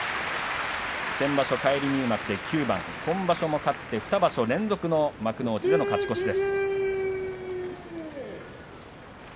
先場所、返り入幕で９番今場所も勝って２場所連続の幕内での勝ち越しです。